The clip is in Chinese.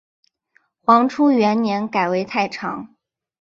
黄初元年改为太常。